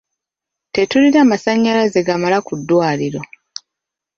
Tetulina masanyalaze gamala ku ddwaliro.